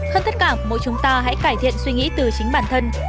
hân thất cảm mỗi chúng ta hãy cải thiện suy nghĩ từ chính bản thân